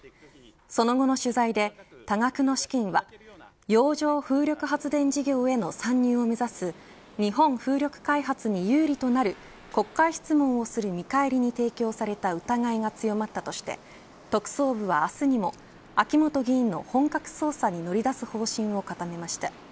その後の取材で多額の資金は洋上風力発電事業への参入を目指す日本風力開発に有利となる国会質問をする見返りに提供された疑いが強まったとして特捜部は、明日にも秋本議員の本格捜査に乗り出す方針を固めました。